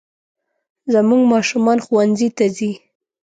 زموږ ماشومان ښوونځي ته ځي